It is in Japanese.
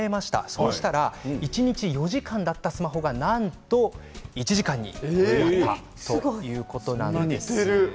そうしたら一日４時間だったスマホが、なんと１時間になったということです。